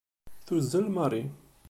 Tuzzel Mary.